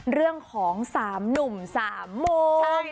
เรื่องของสามหนุ่มสามมุม